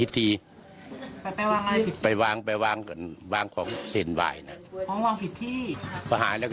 ของค่าคุณบุญเลยหรือเปล่า